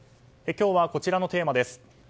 今日はこちらのテーマです。